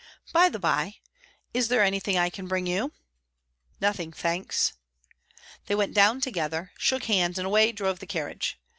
By the bye, is there anything I can bring you?" "Nothing, thanks." They went down together, shook hands, and away drove the carriage.